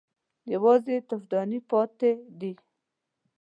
_يوازې تفدانۍ پاتې دي.